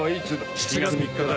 ７月３日だ。